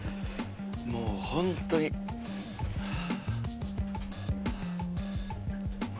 もうホントにはあ。